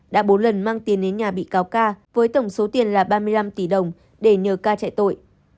đã bốn lần mang tiền đến nhà bị cáo ca với tổng số tiền là ba mươi năm tỷ đồng để nhờ ca chạy tội